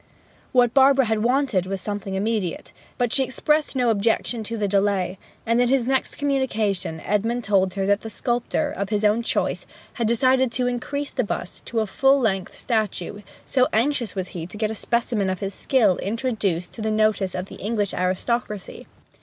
What Barbara had wanted was something immediate; but she expressed no objection to the delay; and in his next communication Edmund told her that the sculptor, of his own choice, had decided to increase the bust to a full length statue, so anxious was he to get a specimen of his skill introduced to the notice of the English aristocracy.